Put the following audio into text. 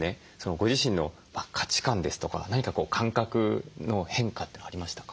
ご自身の価値観ですとか何か感覚の変化ってありましたか？